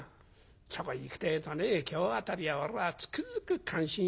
そこへいくってえとね今日辺りは俺はつくづく感心したよ。